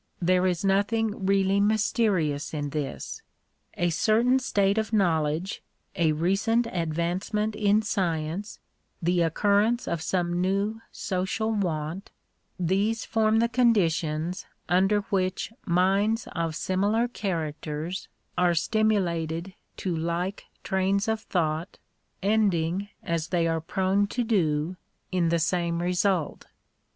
There is nothing really mysterious in this. A certain state of knowledge, a recent advancement in science, the occurrence of some new social want, — these form the conditions under which minds of similar characters are stimulated to like trains of thought, ending as they are prone to do in the same result.